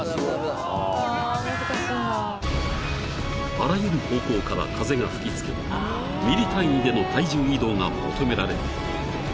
［あらゆる方向から風が吹き付けミリ単位での体重移動が求められる］